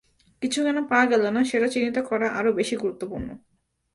কিছু কেন পাওয়া গেল না, সেটা চিহ্নিত করা আরও বেশি গুরুত্বপূর্ণ।